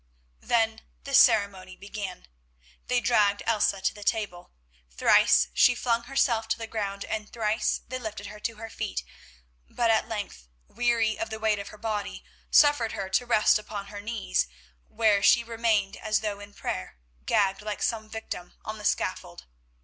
Then the ceremony began. They dragged Elsa to the table. Thrice she flung herself to the ground, and thrice they lifted her to her feet, but at length, weary of the weight of her body, suffered her to rest upon her knees, where she remained as though in prayer, gagged like some victim on the scaffold.